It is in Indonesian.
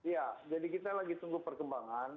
ya jadi kita lagi tunggu perkembangan